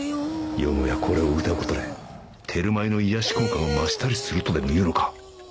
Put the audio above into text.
よもやこれを歌うことでテルマエの癒やし効果が増したりするとでもいうのか